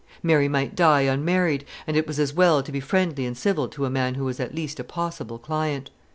Mary might die unmarried, and it was as well to be friendly and civil to a man who was at least a possible client.